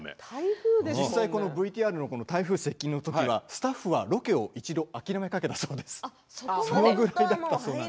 実際このＶＴＲ台風接近のときはスタッフが一度ロケを諦めかけたそうです。